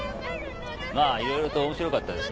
まあいろいろと面白かったですね。